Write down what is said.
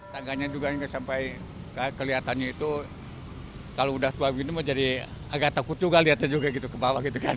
tangganya juga sampai kelihatannya itu kalau sudah tua begini menjadi agak takut juga lihatnya juga ke bawah gitu kan